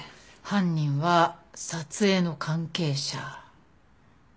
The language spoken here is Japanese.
犯人は撮影の関係者。